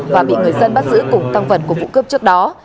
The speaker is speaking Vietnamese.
và bị người dân bắt giữ cùng tăng vật của vụ cướp trước đó